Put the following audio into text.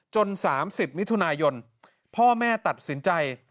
๓๐มิถุนายนพ่อแม่ตัดสินใจ